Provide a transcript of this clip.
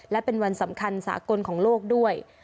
และเป็นวันสำคัญสากลของโลกด้วย